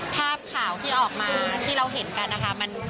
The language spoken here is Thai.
ภาพข่าวที่ออกมาที่เราเห็นกันนะคะ